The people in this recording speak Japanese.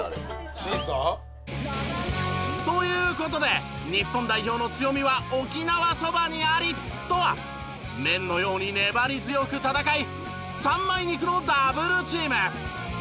シーサー？という事で「日本代表の強みは沖縄そばにあり！」とは麺のように粘り強く戦い三枚肉のダブルチーム！